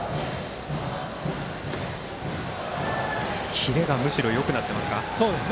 キレがむしろよくなってますか？